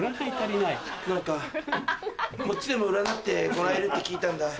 何かこっちでも占ってもらえるって聞いたんだ。